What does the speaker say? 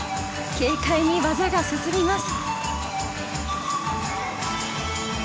軽快に技が進みます。